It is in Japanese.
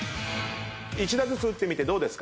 １打ずつ打ってみてどうです？